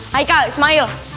hai kak ismail